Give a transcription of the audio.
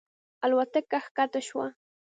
الوتکه ښکته شوه.